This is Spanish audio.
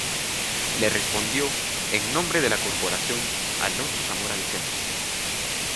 Le respondió, en nombre de la corporación, Alonso Zamora Vicente.